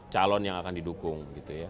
calon yang akan didukung